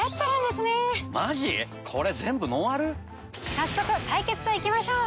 早速対決といきましょう！